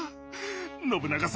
信長様